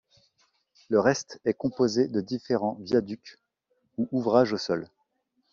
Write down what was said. Le reste est composé de différents viaducs ou ouvrages au sol.